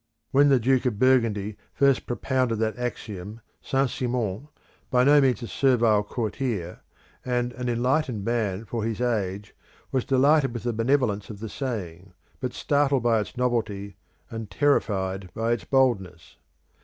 When the Duke of Burgundy first propounded that axiom, St. Simon, by no means a servile courtier, and an enlightened man for his age, was "delighted with the benevolence of the saying, but startled by its novelty and terrified by its boldness."